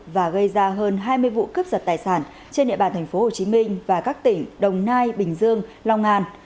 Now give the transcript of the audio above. và gây ra hơn hai mươi vụ cướp giật tài sản trên địa bàn tp hcm và các tỉnh đồng nai bình dương long an